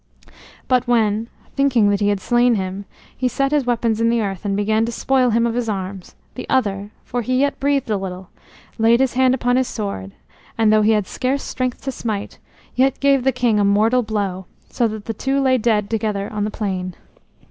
But when, thinking that he had slain him, he set his weapons in the earth and began to spoil him of his arms, the other, for he yet breathed a little, laid his hand upon his sword, and though he had scarce strength to smite, yet gave the king a mortal blow, so that the two lay dead together on the plain.